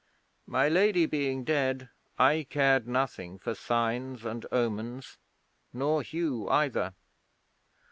'My Lady being dead, I cared nothing for signs and omens, nor Hugh either.